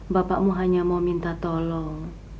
bapakmu hanya mau minta tolong